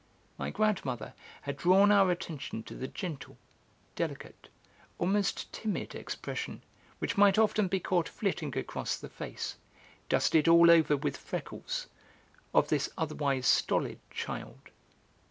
My grandmother had drawn our attention to the gentle, delicate, almost timid expression which might often be caught flitting across the face, dusted all over with freckles, of this otherwise stolid child.